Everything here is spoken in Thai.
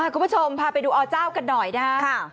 คุณผู้ชมพาไปดูอเจ้ากันหน่อยนะครับ